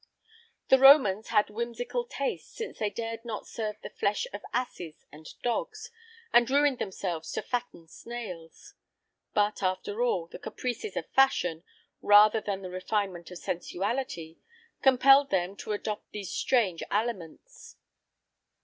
The Romans had whimsical tastes, since they dared serve the flesh of asses and dogs, and ruined themselves to fatten snails. But, after all, the caprices of fashion, rather than the refinement of sensuality, compelled them to adopt these strange aliments.